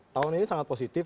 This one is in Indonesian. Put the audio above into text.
tahun ini sangat positif